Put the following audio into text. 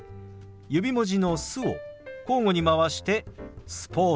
指文字の「す」を交互に回して「スポーツ」。